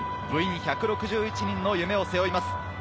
部員１６１人の夢を背負います。